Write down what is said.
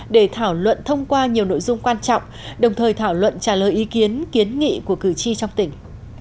để thảo luận thông qua nhiều nội dung quan trọng đồng thời thảo luận trả lời ý kiến kiến nghị của cử tri trong tỉnh